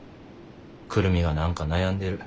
久留美が何か悩んでる。